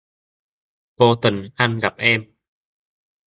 Vô tình anh gặp em